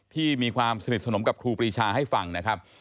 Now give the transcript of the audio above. ที่มีความสนิทสนมกับครูปรีชาให้ฟังนะครับ